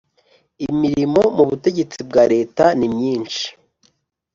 imirimo mu Butegetsi bwa Leta nimyinshi